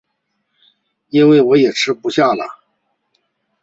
因为我也吃不下了